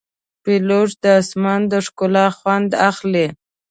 پیلوټ د آسمان د ښکلا خوند اخلي.